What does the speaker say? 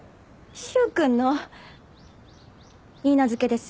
柊君の許嫁です。